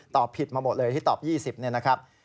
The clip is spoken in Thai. ตอบผิดมาหมดเลยที่ตอบ๒๐เนี่ยนะครับ